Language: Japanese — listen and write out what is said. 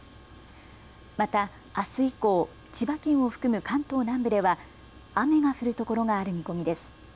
またあす以降、千葉県を含む関東南部では雨が降るところがある見込みです。